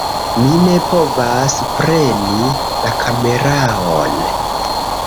Mi ne povas preni la kameraon